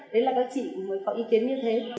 đấy là các chị mới có ý kiến như thế